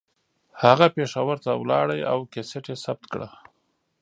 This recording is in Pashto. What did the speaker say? هغه پېښور ته لاړ او کیسټ یې ثبت کړه